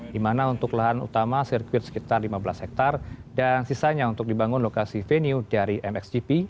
di mana untuk lahan utama sirkuit sekitar lima belas hektare dan sisanya untuk dibangun lokasi venue dari mxgp